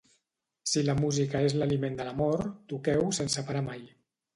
Si la musica és l’aliment de l’amor, toqueu sense parar mai.